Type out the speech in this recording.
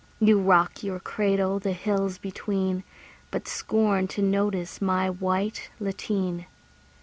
You rock your cradle the hills between, But scorn to notice my white lateen.